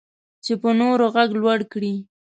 چې په نورو غږ لوړ کړي.